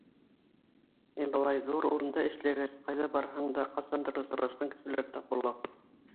Ә былай ҙур урында эшләгәс, ҡайҙа барһаң да ҡасандыр осрашҡан кешеләр тап була.